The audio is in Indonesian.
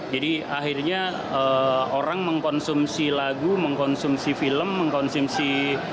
jadi akhirnya orang mengkonsumsi lagu mengkonsumsi film mengkonsumsi